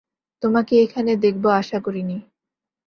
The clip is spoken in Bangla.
তোমাকে এখানে দেখব আশা করিনি।